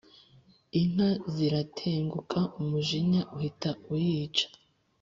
inkanka ziratenguka umujinya uhita uyica